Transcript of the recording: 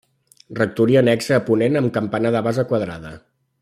Rectoria annexa a ponent amb campanar de base quadrada.